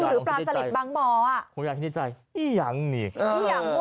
หรือปลาจริตบางบอก